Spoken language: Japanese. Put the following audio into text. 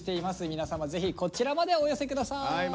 皆様ぜひこちらまでお寄せ下さい。